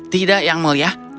tidak yang mulia